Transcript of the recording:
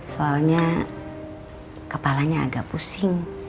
soalnya kepalanya agak pusing